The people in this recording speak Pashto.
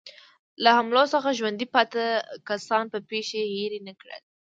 له حملو څخه ژوندي پاتې کسان به پېښې هېرې نه کړي.